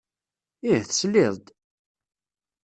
Ih tesliḍ-d!